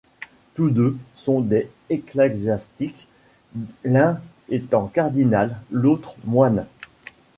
Tous deux sont des ecclésiastiques, l’un étant cardinal, l’autre moine.